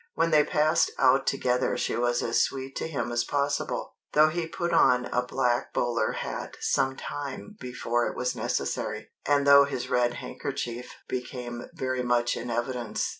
When they passed out together she was as sweet to him as possible, though he put on a black bowler hat some time before it was necessary, and though his red handkerchief became very much in evidence.